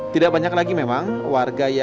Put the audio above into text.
tidak banyak lagi memang warga yang